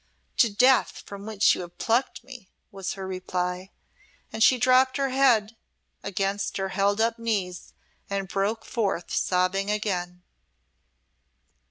"To Death from which you have plucked me!" was her reply, and she dropped her head against her held up knees and broke forth sobbing again.